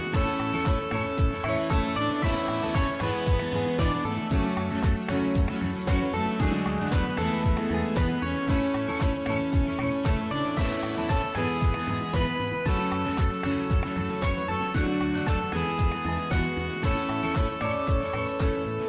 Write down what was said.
สวัสดีครับ